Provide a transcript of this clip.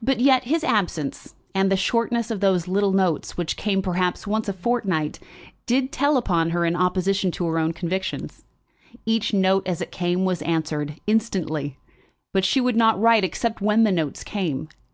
But yet his absence, and the shortness of those little notes, which came perhaps once a fortnight, did tell upon her in opposition to her own convictions. Each note as it came was answered, instantly; but she would not write except when the notes came.